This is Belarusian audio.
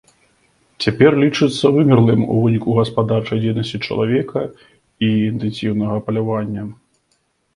Цяпер лічыцца вымерлым ў выніку гаспадарчай дзейнасці чалавека і інтэнсіўнага палявання.